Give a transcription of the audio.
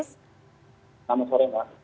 selamat sore mbak